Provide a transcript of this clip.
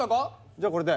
じゃあこれで。